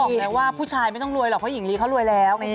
บอกแล้วว่าผู้ชายไม่ต้องรวยหรอกเพราะหญิงลีเขารวยแล้ว